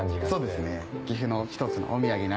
そうですね。